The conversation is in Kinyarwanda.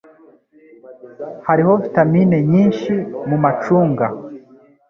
Hariho vitamine nyinshi mumacunga.